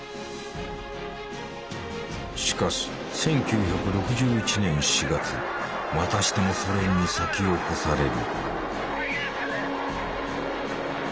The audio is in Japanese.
しかし１９６１年４月またしてもソ連に先を越される。